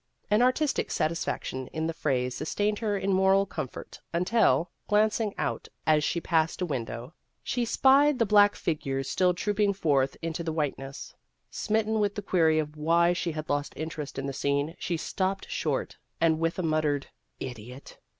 An artistic satis faction in the phrase sustained her in moral comfort, until, glancing out as she passed a window, she spied the black A Case of Incompatibility 131 figures still trooping forth into the white ness. Smitten with the query of why she had lost interest in the scene, she stopped short, and with a muttered, " Idiot!"